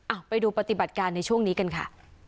ไปดูปฏิบัติการในช่วงนี้กันค่ะ